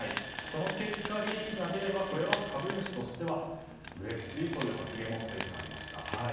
その結果、利益が出ればこれは株主としてはうれしいという発言も立石さん、ありました。